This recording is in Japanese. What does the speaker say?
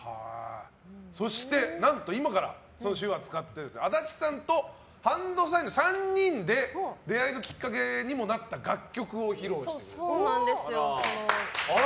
そして、何と今からその手話を使って足立さんとＨＡＮＤＳＩＧＮの３人で出会いのきっかけにもなった楽曲を披露してくれると。